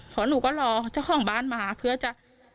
เพราะหนูก็รอเจ้าของบ้านมาเพื่อจะ